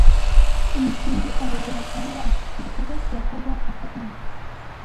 Umutindi aregera, arira ati: `Igikorwa kirakorwa; Fata ibi